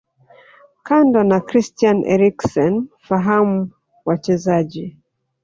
Kando na Christian Eriksen fahamu wachezaji